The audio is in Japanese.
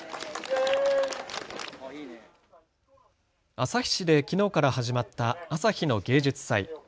旭市できのうから始まったあさひの芸術祭。